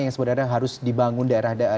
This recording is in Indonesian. yang sebenarnya harus dibangun daerah daerah